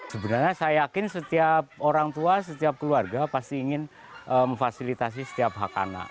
sebenarnya saya yakin setiap orang tua setiap keluarga pasti ingin memfasilitasi setiap hak anak